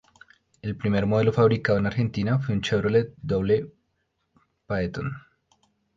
El primer modelo fabricado en Argentina, fue un Chevrolet Doble Phaeton.